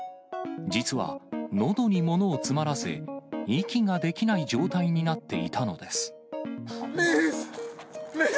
実は、のどにものを詰まらせ、息ができない状態になっていたのです。